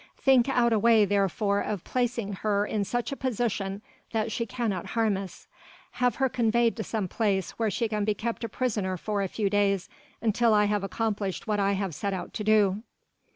Think out a way therefore of placing her in such a position that she cannot harm us: have her conveyed to some place where she can be kept a prisoner for a few days until I have accomplished what I have set out to do."